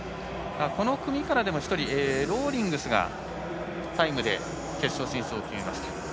この組から１人ローリングスがタイムで決勝進出を決めました。